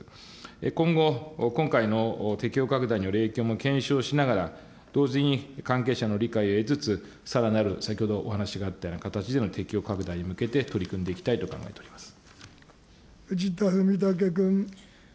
今後、今回の適用拡大のを検証しながら、同時に関係者の理解を得つつ、さらなる、形での適用拡大に向けて取り組んでいきたいと考えて藤田文武君。